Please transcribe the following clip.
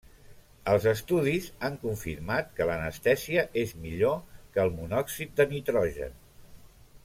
Els estudis han confirmat que l'anestèsia és millor que el monòxid de nitrogen.